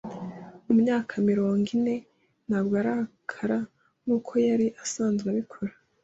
Ku myaka mirongo ine, ntabwo arakara nkuko yari asanzwe abikora.